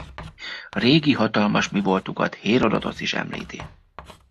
Régi hatalmas mivoltukat Hérodotosz is említi.